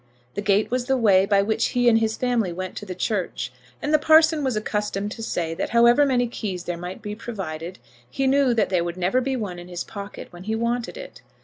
The gate was the way by which he and his family went to the church, and the parson was accustomed to say that however many keys there might be provided, he knew that there would never be one in his pocket when he wanted it.